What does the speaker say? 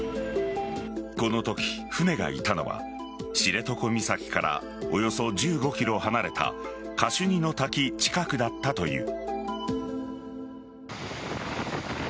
このとき、船がいたのは知床岬からおよそ１５ｋｍ離れたカシュニの滝近くだったという。